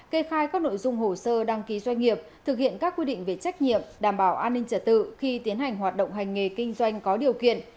kê khai các nội dung hồ sơ đăng ký doanh nghiệp thực hiện các quy định về trách nhiệm đảm bảo an ninh trả tự khi tiến hành hoạt động hành nghề kinh doanh có điều kiện